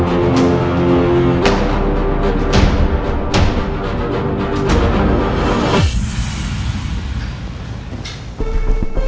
dia di sini